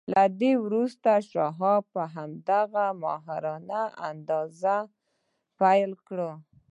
تر دې وروسته شواب په هماغه ماهرانه انداز پیل وکړ